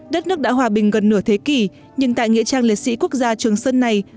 đất nước đã hòa bình gần nửa thế kỷ nhưng tại nghĩa trang liệt sĩ quốc gia trường sơn này